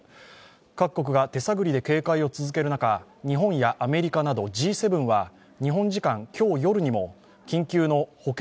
各国が手探りで警戒を続ける中、日本やアメリカなどＧ７は日本時間今日夜にも緊急の保健